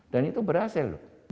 dan itu berhasil